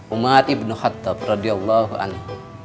umat ibn khattab radiyallahu anhu